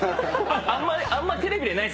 あんまテレビでないですよ。